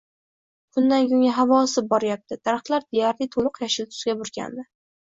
Kundan kunga havo isib boryapti, daraxtlar deyarli to`liq yashil tusga burkandi